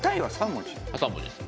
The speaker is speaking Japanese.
３文字ですよ。